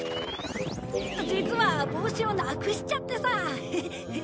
実は帽子をなくしちゃってさ。